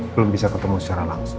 belum bisa ketemu secara langsung